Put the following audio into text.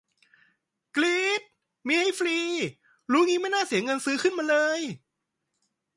กรี๊ด มี ให้ฟรี รู้งี้ไม่น่าเสียเงินซื้อขึ้นมาเลย